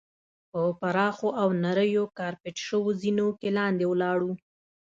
په پراخو او نریو کارپیټ شوو زینو کې لاندې ولاړو.